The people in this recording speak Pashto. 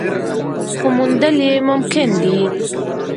خو موندل یې ممکن دي.